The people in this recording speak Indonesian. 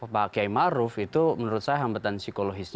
pak kiai maruf itu menurut saya hambatan psikologisnya